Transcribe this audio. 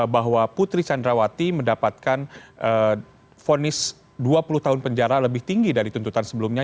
bahwa putri candrawati mendapatkan fonis dua puluh tahun penjara lebih tinggi dari tuntutan sebelumnya